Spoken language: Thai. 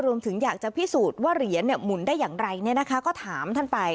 รวมถึงอยากจะพิสูจน์ว่าเหรียญหมุนได้อย่างไรก็ถามท่านไป